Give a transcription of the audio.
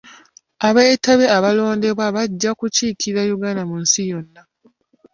Abeetabi abalondeddwa bajja kukiikirira Uganda mu nsi yonna.